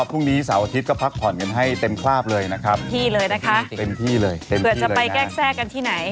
พรุ่งนี้เสาร์อาทิตย์ก็พักผ่อนกันให้เต็มคราบเลยนะครับพี่เลยนะคะเผื่อจะไปแกล้กแทรกกันที่ไหน